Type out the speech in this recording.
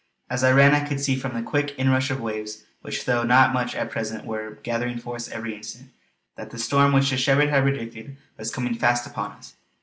As I ran I could see from the quick inrush of waves, which though not much at present were gathering force every instant, that the storm which the shepherd had predicted was coming fast upon us.